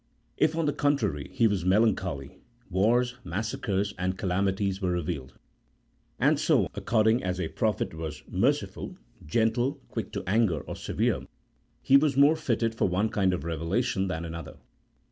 If, on the contrary, he was melancholy, wars, massacres, and calami ties were revealed; and so, according as a prophet was merciful, gentle, quick to anger, or severe, he was more fitted for one kind of revelation than another.